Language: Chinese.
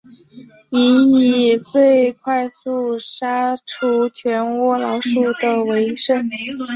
能以最快速度杀除全窝老鼠的为胜。